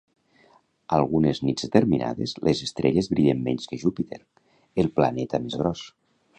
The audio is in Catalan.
Algunes nits determinades, les estrelles brillen menys que Júpiter, el planeta més gros.